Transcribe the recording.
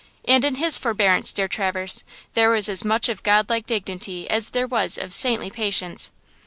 And in His forbearance, dear Traverse, there was as much of God like dignity as there was of saintly patience.